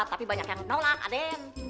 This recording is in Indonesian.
tapi banyak yang nolak adem